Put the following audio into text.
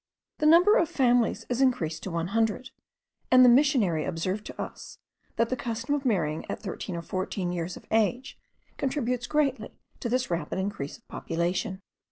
The number of families is increased to one hundred, and the missionary observed to us, that the custom of marrying at thirteen or fourteen years of age contributes greatly to this rapid increase of population.